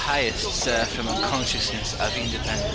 The highest^ sir, from a consciousness of independence.